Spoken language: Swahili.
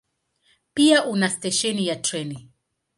Pia una stesheni ya treni.